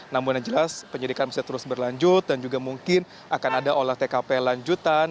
namun yang jelas penyidikan bisa terus berlanjut dan juga mungkin akan ada olah tkp lanjutan